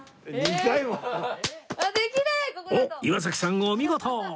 おっ岩崎さんお見事！